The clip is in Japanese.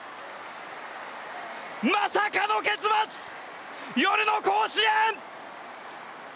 まさかの結末夜の甲子園。